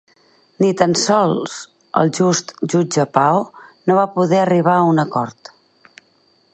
Ni tan sols el just jutge Pao no va poder arribar a un acord.